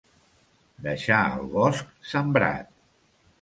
Deixar el bosc sembrat.